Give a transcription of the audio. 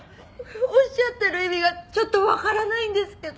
おっしゃってる意味がちょっとわからないんですけど。